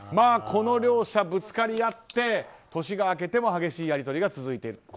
この両者、ぶつかり合って年が明けても激しいやり取りが続いている。